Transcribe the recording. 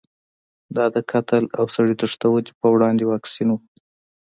دا د قتل او سړي تښتونې په وړاندې واکسین و.